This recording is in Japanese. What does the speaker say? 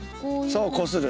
そうこする。